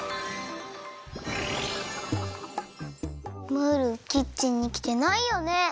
ムールキッチンにきてないよね？